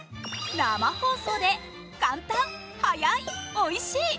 生放送で簡単、早い、おいしい。